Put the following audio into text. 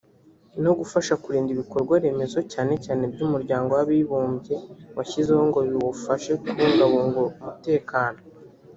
no gufasha kurinda ibikorwa remezo cyane cyane ibyo umuryango w’Abibumbye washyizeho ngo biwufashe kubungabunga umutekano